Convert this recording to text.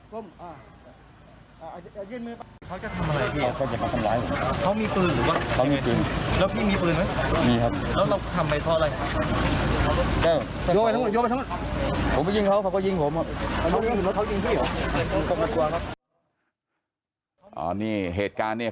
เขาไปยิงของผมเขาต้องยิงพี่